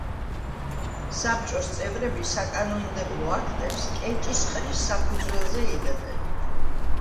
საბჭოს წევრები საკანონმდებლო აქტებს კენჭისყრის საფუძველზე იღებენ.